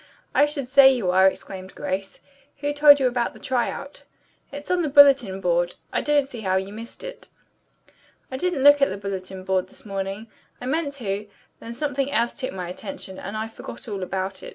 "I should say you are!" exclaimed Grace. "Who told you about the try out?" "It's on the bulletin board. I don't see how you missed it." "I didn't look at the bulletin board this morning. I meant to, then something else took my attention, and I forgot all about it."